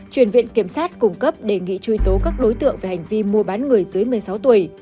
chuyển viện kiểm sát cung cấp đề nghị truy tố các đối tượng về hành vi mua bán người dưới một mươi sáu tuổi